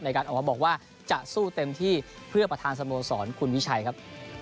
ออกมาบอกว่าจะสู้เต็มที่เพื่อประธานสโมสรคุณวิชัยครับ